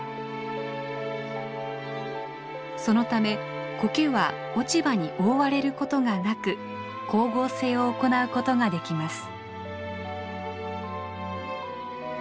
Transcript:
そのためコケは落ち葉に覆われることがなく光合成を行うことができます。